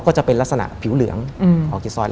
ก็จะเป็นลักษณะผิวเหลืองออกกี่ซอย